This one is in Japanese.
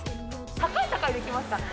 高い高いできますかね？